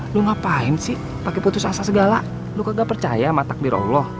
lo ngapain sih pake putus asa segala lo kagak percaya sama takdir allah